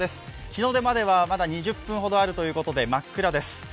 日の出まではまだ２０分ほどあるということで真っ暗です。